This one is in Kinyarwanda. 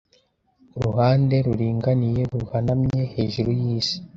uruhande ruringaniye ruhanamye hejuru yisi